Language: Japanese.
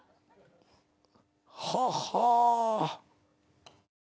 はっはぁ。